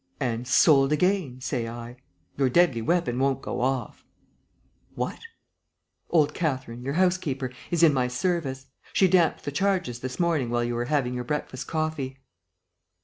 "And sold again, say I. Your deadly weapon won't go off." "What?" "Old Catherine, your housekeeper, is in my service. She damped the charges this morning while you were having your breakfast coffee."